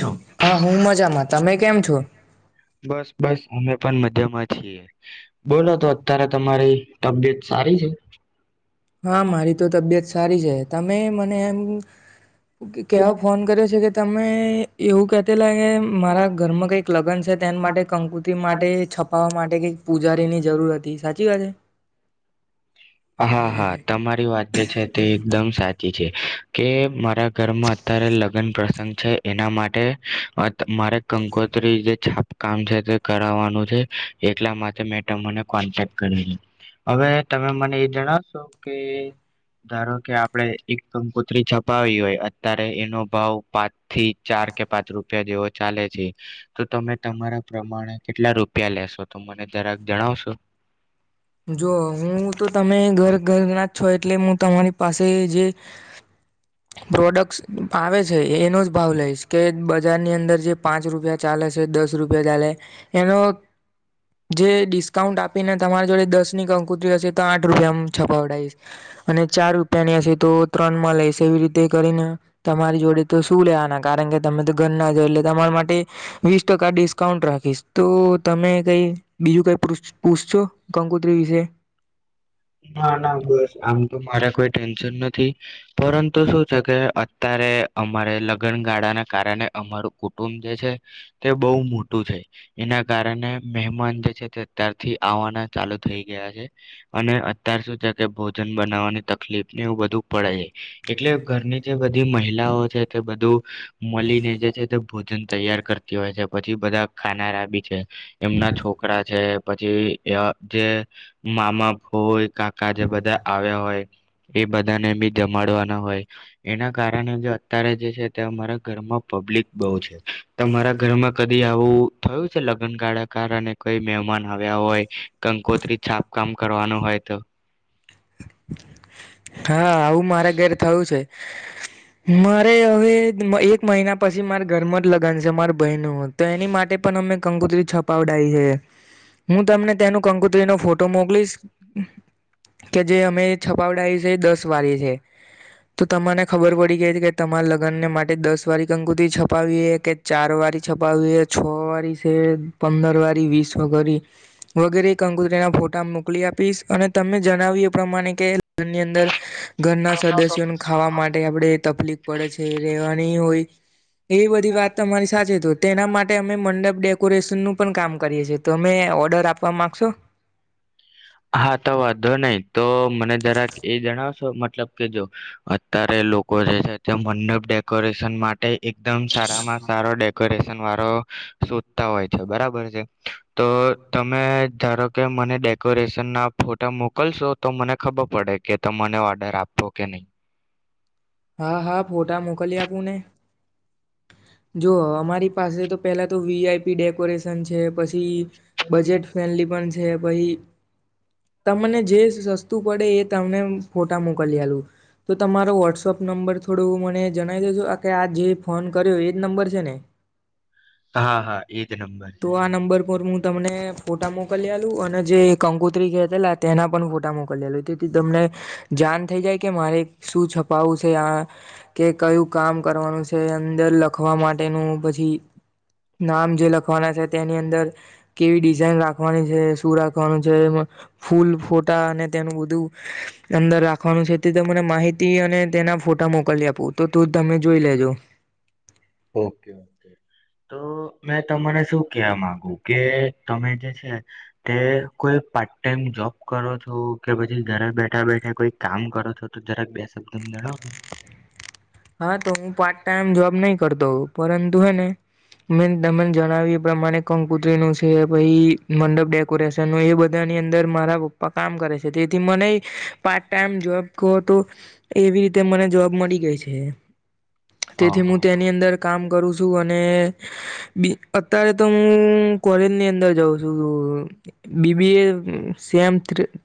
છો? હા હું મજામાં તમે કેમ છો બસ બસ અમે પણ મજામાં છીએ બોલો તો અત્યારે તમારી તબિયત સારી છે હા મારી તો તબિયત સારી છે તમે મને એમ કેવા ફોન કર્યો છે કે તમે એવું કહેતેલા કે મારા ઘરમાં કંઈક લગ્ન છે તેના માટે કંકુતિ માટે છપાવા માટે કઈક પૂજારીની જરૂર હતી સાચી વાત છે હા હા તમારી વાત જે છે તે એકદમ સાચી છે કે મારા ઘરમાં અત્યારે લગ્ન પ્રસંગ છે એના માટે મારે કંકોત્રી જે છાપ કામ છે તે કરવાનું છે એટલા માટે મેં તમને કોન્ટેક કર્યોું હવે તમે મને જેણાવ તો કે ધારો કે આપણે એક કકોત્રી છપાવી હોય અત્યારે એનો ભાવ પાચ થી ચાર કે પાંચ રૂપિયા જેવો ચાલે છે તો તમે તમારા પ્રમાણે કેટલા રૂપિયા લેશો તો મને જરાક જણાવશો જો હું તો તમે ઘર ઘર ના જ છો એટલે હું તમારી પાસે જે પ્રોડક્ટ આવે છે એનો જ ભાવ લઈશ કે બજારની અંદર જે પાંચ રૂપિયા ચાલે છે દસ રૂપિયા ચાલે એનો જે ડિસ્કાઉન્ટ આપીને તમારી જોડે દસ ની કંકુતરી હશે તો આઠ રૂપિયા છપાવડાઈશ અને ચાર રૂપિયાની હશે તો ત્રણ માં લઈશ એવી રીતે કરીને તમારી જોડે તો શું લેવાના કારણ કે તમે તો ઘર ના જ એટલે તમારા માટે વીસ ટકા ડિસ્કાઉન્ટ રાખીશ તો તમે કઈ બીજું કઈ પૂછ પૂછશો કંકુત્રી વિશે ના ના બસ આમ તો મારા કોઈ ટેન્શન નથી પરંતુ શું છે કે અત્યારે અમારે લગનગાળાને કારણે અમારું કુટુંબ જે છે. તે બહુ મોટું છે એના કારણે મહેમાન જે છે તે અત્યારથી આવવાના ચાલુ થઈ ગયા છે અને અત્યાર શું છે કે ભોજન બનાવવાની તકલીફ ને એવું બધું પડે છે. એટલે ઘરની જે બધી મહિલાઓ છે તે બધું મળીને જે છે તે ભ. ભોજન તયાર કરે હોય છે પછી બધા ખાનારા બી છે. એમના છોકરા છે. પછી જે મામા ફોય કાકા જે બધા આવ્યા હોય. એ બધાને બી જમાડવાના હોય. એના કારણે જો અત્યારે જે છે તેમારા. ગરમાં. પબ્લિક બહુ છે. તમારા ઘરમાં કદી. આવું થયું છે લગ્નગાળા કારણે કોઈ મહેમાન આવ્યા હોય, કંકોત્રી છાપકામ કરવાનું હોય તો. હા આવું મારા ઘરે થયું છે. મારે હવે એક એક મહિના પછી મારે ઘરમાં જ લગન છે મારે બહેનુ, તો એની માટે પણ અમે કંકોત્રી છપાવડાય હે. હું તમને તેનું કંકુત્રી નો ફોટો મોકલીશ. [inaudible] કે જે અમે છપાવડાવી તે દસ વારે છે. તો તમાને ખબર પડી ગઈ હતી કે તમારા લગ્નને માટે દસ વાળી કંકુતરી છપાવીએ કે ચાર વારી છપાવીએ, છ વાળી છે, પંદર વાળી, વીસ વગરી વગેરે કંકુતરીના ફોટા મોકલી આપીશ અને તમે જણાવીએ પ્રમાણે કે [unintelligible] ની અંદર ઘરના સદસ્યોને ખાવા માટે આપડે તકલીફ પડે છે, રેવાની હોય એવી બધી વાત તમારી સાથે તો તેના માટે અમે મંડપ ડે કોરેશનનું પણ કામ કરીએ છીએ, તમે ઓર્ડર આપવા માંગશો? હા તો વાંધો નહી તો મને જરાક એ જણાવ છો મતલબ કે જો અત્યારે લોકો જે છે તે મંડપ ડેકોરેશન માટે એકદમ સારામાં સારો ડેકોરેશ ન વાળો શોધતા હોય છે બરાબર છે. તો તમે ધારો કે મને ડેક કોરેશન ના ફોટા મોકલશો તો મને ખબર પડે કે તમને ઓર્ડર આપવો કે નહીં. હા, હા ફોટા મોકલી આપું ને. જો અમારી પાસે તો પેલા તો વી આઈ પી ડેકોરેશન છે, પછ છી બજેટ ફ્રેન્ડલી પણ છે, પહી તમને જે સ સસ્તું પડે એ તમને ફોટા મોકલી આલું. તો તમારો વોટ્સઅપ નંબર થોડું મને જણાવી દેજો. અહ ક આ જે ફોન કર્યો એજ નંબર છે ને? હા, હા એજ નંબર તો છે. આ નંબર પર હું તમને ફોટા મોકલી આલું અને જે કંકોત્રી કેતેલા તેના પણ ફોટા મોકલી આલું, તેથી તમને જાન થઇ જાય કે મારે શું છપાવું કે આ, કે કયું કામ કરવાનું છે અંદર લખવા માટેનું, પછી નામ જે લખવાના છે તેની અંદર કેવી ડિઝાઇન રાખવાની છે, શું રાખવાનું છે, ફૂલ ફોટા અને તેનું બધું અંદર રાખવાનું છે તે તે મને માહિતી અને તેના ફોટા મોકલી આપું તો તું તમે જોઈ લેજો. ઓકે. તો મેં તમાને શું કેવા માંગુ કે તમે જે છે તે કોઈ પાર્ટ ટાઈમ જોબ કરો છો, કે પછી ઘરે બેઠા-બેઠા કોઈ કામ કરો છો, તો જરાક બે શબ્દમો જણાવો ને. હા તો હું પાર્ટ ટાઈમ જોબ નહી કરતો, પરંતુ હે ને મે તમે જણાવ્યું એ પ્રમાણે કંકુત્રી નું છે, પહી મંડપ ડેકોરેશન નું એ બધાની અંદર મારા પપ્પા કામ કરે છે, તેથી મનેય પાર્ટ ટાઈમ જોબ કહો તો એવી રીતે મને જોબ મળી ગઈ છે. કે તેથી ઓહો હું તેની અંદર કામ કરું છું અને બી અત્યારે તો હું કોલેજ ની અંદર જાઉં છું. B B A sem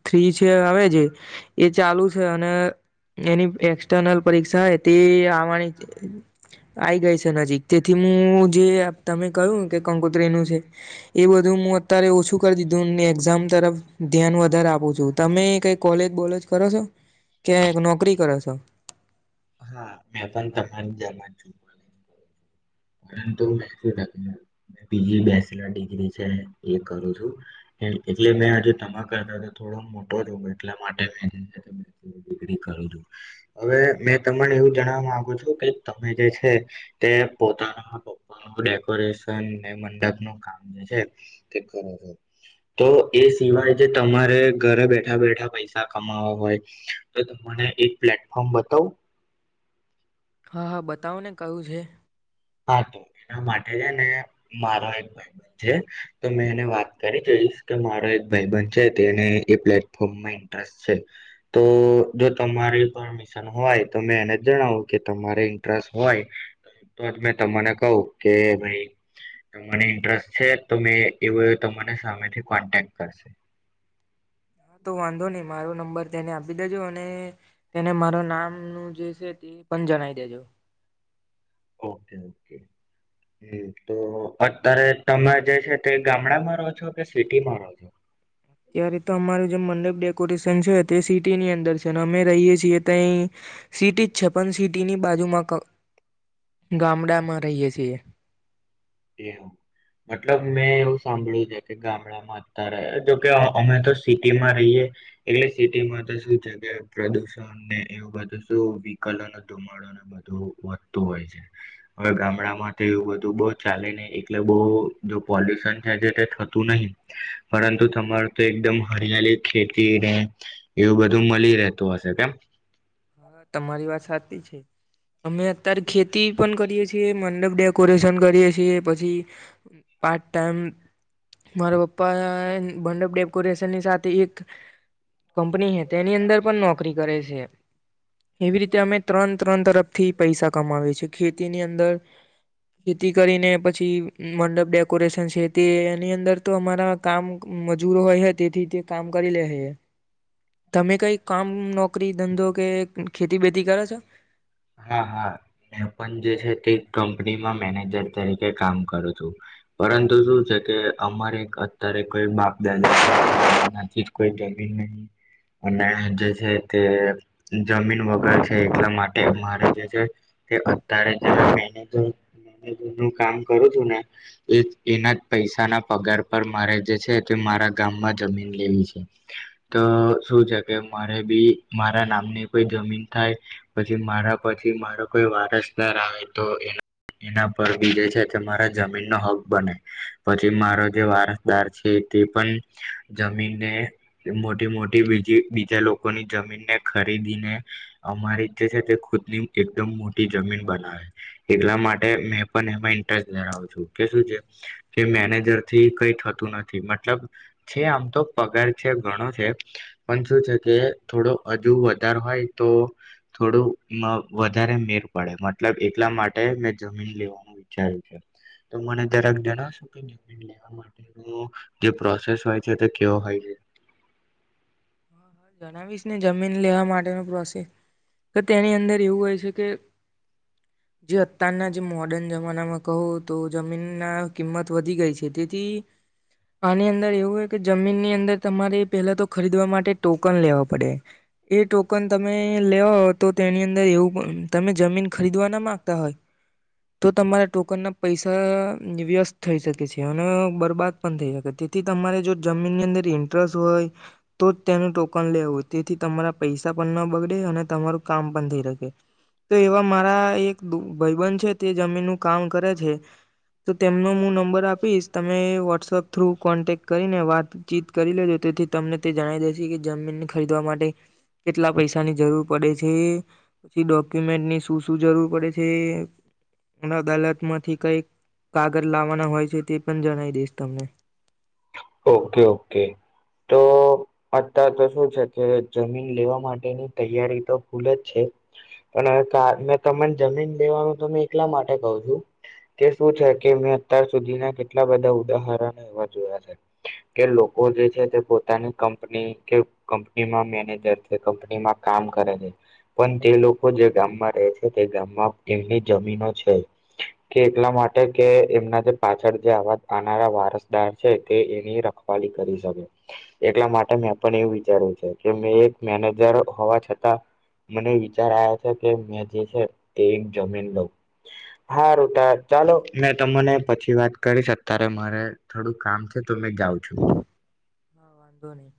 three છે, આવે છે એ ચાલુ છે અને એની એક્સટર્નલ પરીક્ષા તે આવવાની આવી ગઈ છે નજીક, તેથી હું જે તમે કહું કે કંકોત્રી નું છે એ બધું હું અત્યારે ઓછું કરી દીધું ને એક્ઝામ તરફ ધ્યાન વધારે આપું છું. તમે કઈ કૉલેજ બોલેજ કરો છો કે નોકરી કરો છો? હા, મેં પણ તમામ જેમજ છુ [unintelligible] બેચલર ડીગ્રી છે એ કરું છું એટલે મે હજુ તમાકા થોડો મોટો છું એટલેજ મેં બેચલર ડીગ્રી કરું છું ત એવું જણવા માંગુ છો કે તમે જે છે તે પોતાના પપ્પા ન ડેકોરેશન ને મંડપનું કામ જે છે તે કરો છો, તો એ સિવાય જે તમારે ઘરે બેઠા બેઠા પૈસા કમાવા હોય, તો તને એક પ્લેટફોર્મ બતાવ? હા, હા, બતાવો ને કયું છે. હા, તો એના માટે જ ને મારો એક ભાઈબંધ છે, તો મેં એને વાત કરી જઈશ કે મારો એક ભાઈબંધ છે તેને એ પ્લેટફોર્મમાં ઇન્ટરેસ્ટ છે, તો જો તમારી પર મિશન હોય તો મેં એને જ જણાવું કે તમારે ઇન્ટરેસ્ટ હોય તો જ મેં તમને કવ કે ભાઈ તને ઇન્ટરેસ્ટ છે, તો મેં એવો તમાને સામેથી કોન્ટેક્ટ કરશે હા, તો વાંધો નહીં મારો નંબર તેને આપી દેજો અને તેને માર નામનું જે છે તે પણ જનાઈ દેજો ઓકે, ઓકે, એતો અત્યારે તમે જે છે તે ગામડામાં રહો છો, કે સિટીમાં રહો છો? ત્યારે તો અમારું જે મંડપ ડેકોરેશન છે તે સિટીની અંદર છે અમે રહીએ છીએ તો અહી સિટીજ છે, પણ સિટીની બાજુમાં ગામડામાં રહીય છીએ. એવું મતલબ મેં એવું સાંભળ્યું છે કે ગામડામાં અત્યારે જોકે અમે તો સિટીમાં રહીયએ એટલે સિટીમાં તો શું જગ્યા પ્રદુષણ ને એવું બધું શું વિકોલો ને ધુમાડોને બધું વધતું હોય છે. હવે ગામડામાં તો એવું બધું બ ચાલે નહી એટલે બો જો પોલ્યુશન થાય છે તે થતું નથી, પરંતુ તમારું તો એકદમ હરિયાળ ખેતી ને એવું બધું મળી રહેતું હશે, કેમ? હા, તમારી વાત સાચી છે. અમે અત્યારે ખેતી પણ કરીએ છીએ, મંડપ ડેકોરેશન કરીએ છીએ, પછી પાર્ટ ટાઈમ મારા પપ્પા મંડપ ડેકોરેશનની સાથે એક કંપની તેની અંદર પણ નોકરી કરે છે. એવી રીતે અમે ત્રણ ત્રણ તરફથી પૈસા કમાવીએ છેએ. ખેતીની અંદર ખેતી કરીને, પછી મંડપ ડેકોરેશન છે તે એની અંદર તો અમારા કામ મજૂરો હોય છે, તેથી તે કામ કરી લે હે. તમે કઈ કામ, નોકરી, ધંધો કે ખેતી બેતી કરો છો હા, હા, એ પણ જે છે તે કંપનીમાં મેનેજર તરીકે કામ કરું છું, પરંતુ શું છે કે અમારે અત્યારે કોઈ બાપ દાદા ના જમાનાથી કોઈ જમીન નહીં અને જે છે તે જમીન વગર છે, એટલા માટે મારે જે છે તે અત્યારે જે મેનેજર મેનેજર નું કામ કરું છું ને, એ એના જ પૈસાના પગાર પર મારે જે છે તે મારા ગામમાં જમીન લેવી છે તો કે મારે બી મારા નામની કોઈ જમીન થાય, પછી મારા પછી મારો કોઈ વારસદાર આવે તો એના પર બીજે છે તે મારા જમીનનો હક બને, પછી મારો જે વારસદાર છે તે પણ જમીનને મોટી મોટી બજી બીજા લોકોની જમીનને ખરીદીને અમારી જે છે તે ખુદ ની એકદમ મોટી જમીન બનાવે, એટલા માટે મેં પણ એમાં ઇન્ટરેસ્ટ ધરાવ છું, કે શું છે કે મેનેજર થી કઈ થતું નથી, મતલબ છે આમ તો પગાર છે ઘણો છે પણ શું છે કે થોડો હજુ વધાર હોય, તો થોડુંમાં વધારે મેર પડે મતલબ એટલા માટે મેં જમીન લેવાનું વિચાર્યું છે, તો મને જરાક જણાવશો કે જમીન લેવા માટેનું જે પ્રોસેસ હોય છે, તે કેવો હોય છે? હા, હા, જણાવીશ ને જમીન લેવા માટેનો પ્રોસેસ, તો તેની અંદર એવું હોય છે કે જે અત્યારના જે મોડર્ન જ માં કહો તો જમીન ના કિંમત વધી ગઈ છે, તેથી આની અંદર એવું એક કે જમીન ની અંદર તમારે પેલા તો ખરીદવા માટે માટે ટોકન લેવા પડે, એ ટોકન તમે લેવ તો તેની અંદર એવું તમે જમીન ખરીદવા ના માંગતા હોય. તો તમારા ટોકન ના પૈસા વ્યસ થઈ શકે છે અને બરબાદ પણ થઈ શકે તેથી તમારે જો જમીનની અંદર ઇન્ટરેસ્ટ હોય તો તેનું ટોકન લેવું તેથી તમારા પૈસા પણ ન બગડે અને તમારું કામ પણ થઈ રાખે. તો એવા મારા એક ભાઈબન છે તે જમીનનું. કામ કરે છે. તો તેમનો હું નંબર આપીશ તમે વોટ્સઅપ થ્રુ કોન્ટેક્ટ કરીને વાતચીત કરી લેજો તેથી તમને તે જણી દઈશ કે જમીન ખરીદવા માટે કેટલા પૈસાની જરૂર પડે છે, પછી ડોક્યુમેન્ટ ની શું શું જરૂર પડે છે, અદાલત માંથી કઈક. કાગળ લાવવાના હોય છે તે પણ. જણાવ દઈશ તમને. ઓકે ઓકે તો અતાર તો શું છે કે જમીન લેવા માટેની તૈયારી તો ખુલ જ છે, પણવે મે તને જમીન લેવાનું એલા માટે કહ છું કે શું છે કે મેં અત્યાર સુધીના કેટલા બધા ઉદાહરણવા જોયા છે. કે લોકો જે છે તે પોતાની કંપની કે કંપનીમાં મેનેજર છે કંપનીમાં કામ કરે છે, પણ તે લોકો જે ગામમાં રહે છે તે ગામમાં એમની જમીનો છે કે એટલા માટે કે એમના જે પાછળ જેવા આવનારા વારસદાર છે. ની રખવાળ કરી શકે એટલા માટે મેં પણ એવું વિચાર્યું છે કે મેં એક મેનેજર હોવા છતાં મને વિચાર આવ્યા છે, કે મેં જે છે તે એક જમીન લઉં હા રોટા ચાલો મેં તમને પછી વાત કરીશ અત્યારે મારે થોડુંક કામ. તમે જાઉ છો. હા વાંધો નહી.